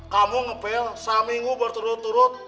kamu ngepel seminggu berturut turut